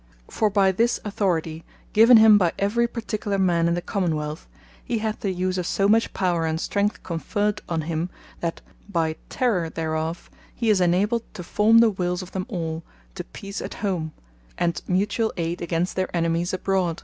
For by this Authoritie, given him by every particular man in the Common Wealth, he hath the use of so much Power and Strength conferred on him, that by terror thereof, he is inabled to forme the wills of them all, to Peace at home, and mutuall ayd against their enemies abroad.